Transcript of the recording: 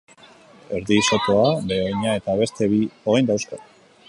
Erdisotoa, behe-oina eta beste bi oin dauzka.